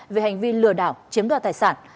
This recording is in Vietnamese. về hành vi lừa đảo chiếm đoạt tài sản